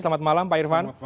selamat malam pak irvan